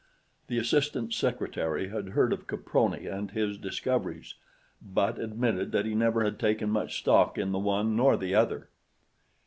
The assistant secretary had heard of Caproni and his discoveries, but admitted that he never had taken much stock in the one nor the other.